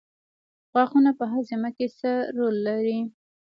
غاښونه په هاضمه کې څه رول لري